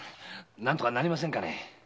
何とかなりませんかね？